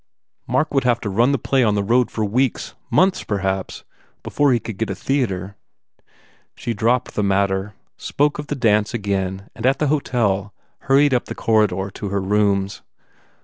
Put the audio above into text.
Mark would have to run the play on the road for weeks months, perhaps, before he could get a theatre." She dropped the matter, spoke of the dance again and at the hotel hurried up the corridor to her rooms.